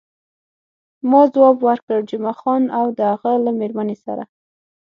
ما ځواب ورکړ، جمعه خان او د هغه له میرمنې سره.